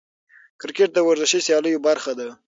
کرکټ د ورزشي سیالیو برخه ده.